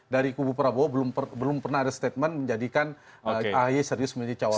dari kubu prabowo belum pernah ada statement menjadikan ahy serius menjadi cawapres